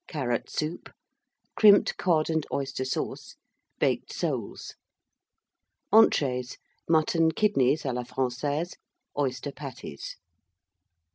Carrot Soup. Crimped Cod and Oyster Sauce. Baked Soles. ENTREES. Mutton Kidneys à la Française. Oyster Patties.